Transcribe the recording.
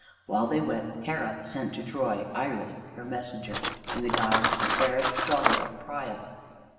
While they went, Hera sent to Troy Iris, her messenger, in the guise of the fairest daughter of Priam.